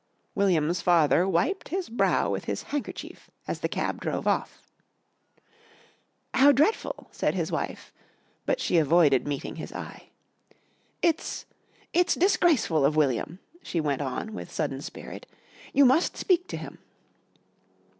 William's father wiped his brow with his handkerchief as the cab drove off. "How dreadful!" said his wife, but she avoided meeting his eye. "It's it's disgraceful of William," she went on with sudden spirit. "You must speak to him."